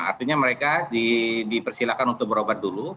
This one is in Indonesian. artinya mereka dipersilakan untuk berobat dulu